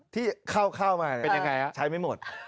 ที่เข้ามาใช้ไม่หมด